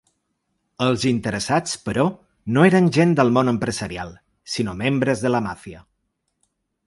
Els interessats, però, no eren gent del món empresarial, sinó membres de la màfia.